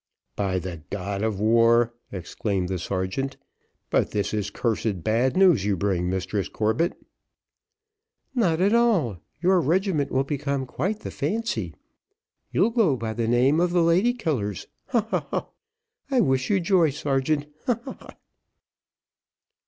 "By the god of war!" exclaimed the sergeant, "but this is cursed bad news you bring, Mistress Corbett." "Not at all; your regiment will become quite the fancy, you'll go by the name of the lady killers, ha, ha, ha. I wish you joy, sergeant, ha, ha, ha."